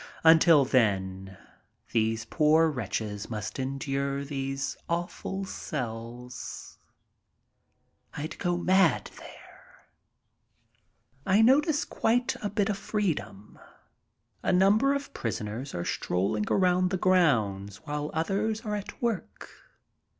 Until then these poor wretches must endure these awful cells. I'd go mad there. 152 MY TRIP ABROAD I notice quite a bit of freedom. A number of prisoners are strolling around the grounds while others are at work.